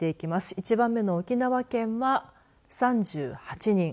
１番目の沖縄県は３８人。